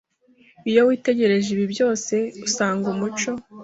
Iyo witegereje ibi byose, usanga umuco